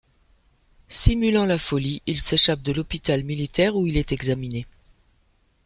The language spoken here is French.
Simulant la folie, il s’échappe de l’hôpital militaire où il est examiné.